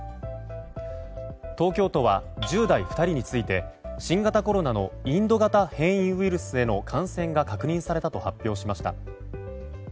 東京都は１０代２人について新型コロナのインド型変異ウイルスへの感染が確認されたと発表しました。